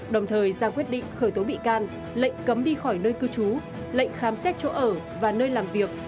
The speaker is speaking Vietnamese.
đồng thời ra quyết định khởi tố bị can lệnh cấm đi khỏi nơi cư trú lệnh khám xét chỗ ở và nơi làm việc